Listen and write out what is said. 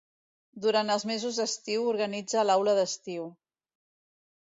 Durant els mesos d'estiu organitza l'Aula d'Estiu.